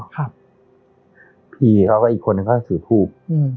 พี่พี่ก็อีกคนถือทุก